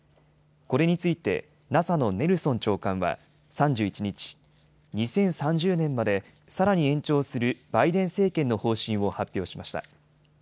これについてＮＡＳＡのネルソン長官は３１日、２０３０年までさらに延長するバイデン政権の方針を発表しました。